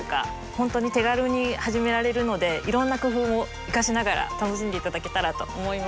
本当に手軽に始められるのでいろんな工夫を生かしながら楽しんでいただけたらと思います。